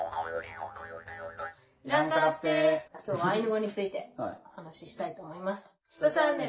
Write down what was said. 今日はアイヌ語についてお話ししたいと思います。